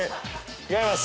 違います。